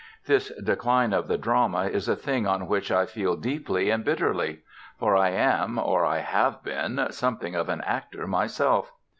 This decline of the drama is a thing on which I feel deeply and bitterly; for I am, or I have been, something of an actor myself.